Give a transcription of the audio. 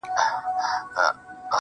هغه لمرینه نجلۍ تور ته ست کوي.